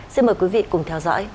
xin mời quý vị cùng theo dõi